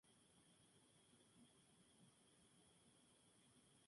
Mientras el dúo busca, la Cosa encuentra e infecta a Sander.